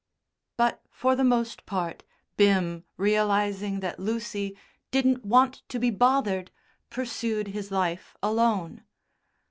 But, for the most part, Bim, realising that Lucy "didn't want to be bothered," pursued his life alone.